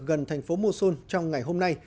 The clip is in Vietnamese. gần thành phố mosul trong ngày hôm nay